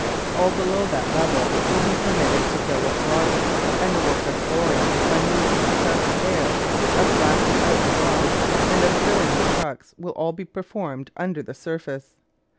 All below that level will be permitted to fill with water, and the work of boring by means of compressed air, of blasting out the rock and of filling the trucks, will all be performed under the surface.